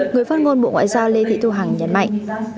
người phát ngôn mộ ngoại giao lê thị thu hoàng nhấn mạnh